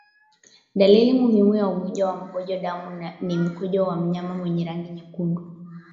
Dalili muhimu ya ugonjwa wa mkojo damu ni mkojo wa mnyama wenye rangi nyekundu